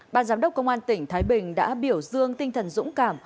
ban giám đốc công an tỉnh thái bình đã biểu dương tinh thần dũng cảm